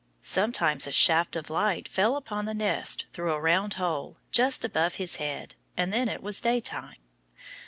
Sometimes a shaft of light fell upon the nest through a round hole just above his head; and then it was daytime.